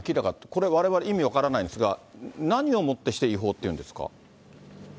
これ、われわれ、意味分からないんですが、何をもってして違法っていうんですか。